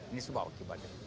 ini semua akibatnya